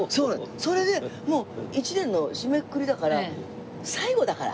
それでもう一年の締めくくりだから最後だから。